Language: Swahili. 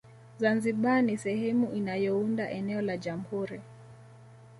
Zanzibar ni sehemu inayounda eneo la Jamhuri